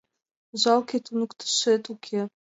Жалке, туныктышет уке.